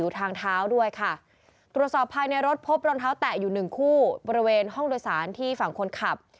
ตรวจสอบภายในรถพบร้อนเท้าแตะอยู่๑คู่บริเวณห้องโดยสารที่ฝั่งคนขับ